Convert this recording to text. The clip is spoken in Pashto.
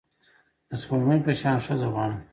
د سپوږمۍ په شان ښځه غواړم